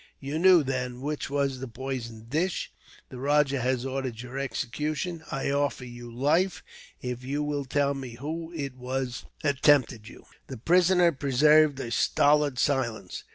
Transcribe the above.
You knew, then, which was the poisoned dish. The rajah has ordered your execution. I offer you life, if you will tell me who it was that tempted you." The prisoner preserved a stolid silence.